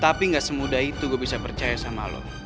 tapi gak semudah itu gue bisa percaya sama lo